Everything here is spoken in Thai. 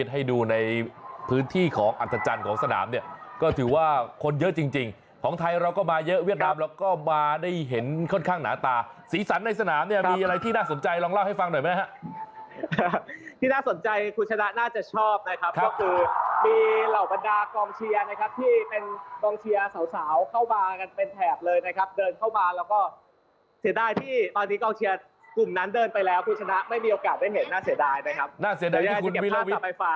ให้ดูในพื้นที่ของอัศจรรย์ของสนามเนี่ยก็ถือว่าคนเยอะจริงของไทยเราก็มาเยอะเวียดนามเราก็มาได้เห็นค่อนข้างหนาตาสีสันในสนามเนี่ยมีอะไรที่น่าสนใจลองเล่าให้ฟังหน่อยไหมครับที่น่าสนใจคุณชนะน่าจะชอบนะครับก็คือมีเหล่าบรรดากองเชียร์นะครับที่เป็นกองเชียร์สาวเข้ามากันเป็นแถบเลยนะครับเดิ